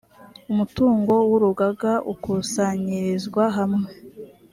umutungo w’ urugaga ukusanyirizwa hamwe.